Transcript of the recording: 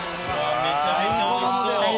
めちゃめちゃ美味しそう。